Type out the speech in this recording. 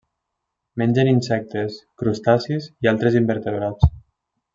Mengen insectes, crustacis i altres invertebrats.